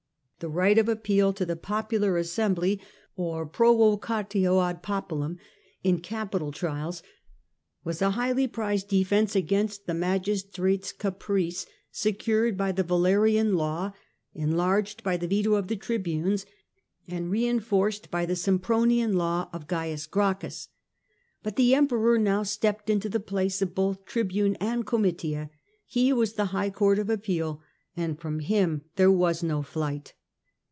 The right of appeal to the popular assembly, or A,H. N 178 The Earlier Empire, provocatio ad popuhini^ in capital trials, was a highly 3. Right of prized defence against the magistrate's caprice, appeal. sccurcd by the Valerian law, enlarged by the veto of the tribunes, and reinforced by the Sempronian law of C. Gracchus. But the Emperor now stepped into the place of both tribune and Comitia; he was the high court of appeal, and from him there was no flight.